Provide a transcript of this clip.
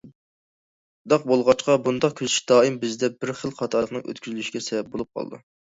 شۇنداق بولغاچقا بۇنداق كۆزىتىش دائىم بىزدە بىر خىل خاتالىقنىڭ ئۆتكۈزۈلۈشىگە سەۋەب بولۇپ قالىدۇ.